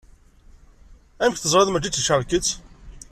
Amek teẓriḍ mačči d ticerket?